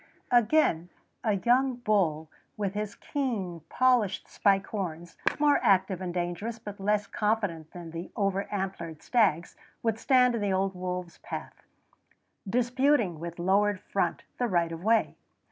Again a young bull with his keen, polished spike horns, more active and dangerous but less confident than the over antlered stags, would stand in the old wolf's path, disputing with lowered front the right of way.